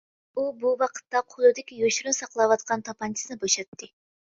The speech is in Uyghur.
ئۇ بۇ ۋاقىتتا قولىدىكى يوشۇرۇن ساقلاۋاتقان تاپانچىسىنى بوشاتتى.